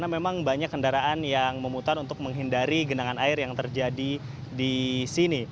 memang banyak kendaraan yang memutar untuk menghindari genangan air yang terjadi di sini